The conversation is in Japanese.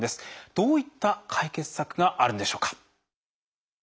どういった解決策があるんでしょうか。